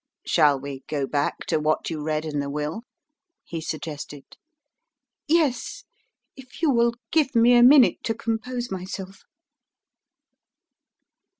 "Shall we go back to what you read in the will?" he suggested. "Yes if you will give me a minute to compose myself."